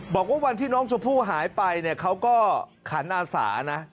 บอกว่าวันที่น้องชมพู่หายไปเนี่ยเขาก็ขันอาสานะ